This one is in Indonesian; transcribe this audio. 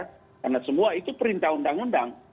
karena semua itu perintah undang undang